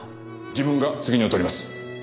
自分が責任を取ります。